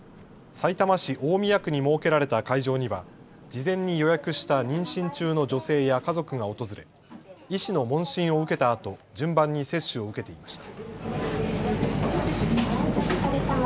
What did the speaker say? さいたま市大宮区に設けられた会場には、事前に予約した妊娠中の女性や家族が訪れ、医師の問診を受けたあと、順番に接種を受けていました。